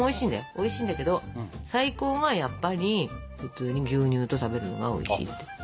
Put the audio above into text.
おいしいんだけど最高はやっぱり普通に牛乳と食べるのがおいしいんだって。